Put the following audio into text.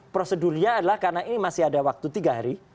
prosedurnya adalah karena ini masih ada waktu tiga hari